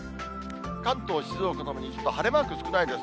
関東、静岡ともにちょっと晴れマーク少ないです。